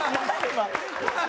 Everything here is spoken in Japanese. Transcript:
今。